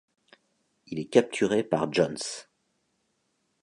Il est capturé par Johns.